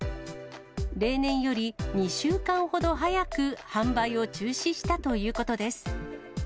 例年より２週間ほど早く販売を中止したということです。